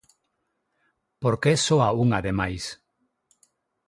¿Por que soa unha de máis?